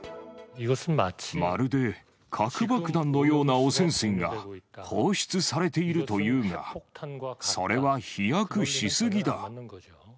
まるで核爆弾のような汚染水が放出されているというが、それは飛躍しすぎだ。